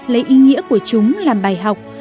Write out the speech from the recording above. lấy ý nghĩa của chúng làm bài học